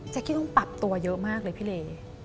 กี้ต้องปรับตัวเยอะมากเลยพี่เล